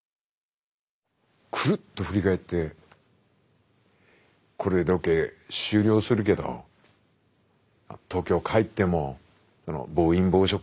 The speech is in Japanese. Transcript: クルッと振り返って「これでロケ終了するけど東京帰っても暴飲暴食とか慎んで。